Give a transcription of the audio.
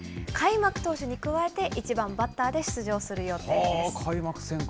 開幕投手に加えて１番バッターで出場する予定です。